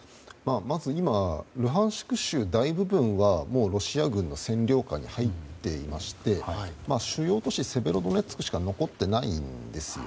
まず今、ルハンシク州大部分がロシア軍の占領下に入っていまして主要都市はセベロドネツクしか残っていないんです。